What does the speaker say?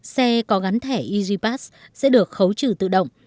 xe có gắn thẻ easypass sẽ được khấu trừ tự động